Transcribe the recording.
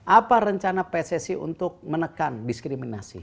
apa rencana pssi untuk menekan diskriminasi